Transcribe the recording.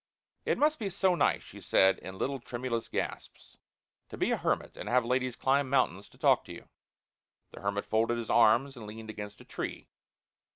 "It must be so nice," she said in little, tremulous gasps, "to be a hermit, and have ladies climb mountains to talk to you." The hermit folded his arms and leaned against a tree.